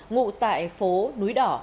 ngụ tại phố núi đỏ